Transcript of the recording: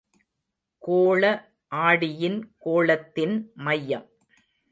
கோள ஆடியின் கோளத்தின் மையம்.